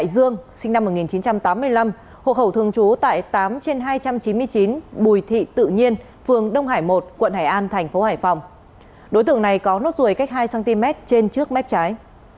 đối tượng này có nốt ruồi cách hai cm trên trước mép trái